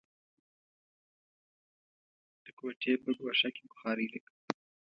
د کوټې په ګوښه کې بخارۍ لګوو.